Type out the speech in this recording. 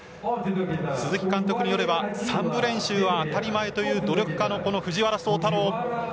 鈴木監督によれば三部練習は当たり前という努力家の藤原宗太郎。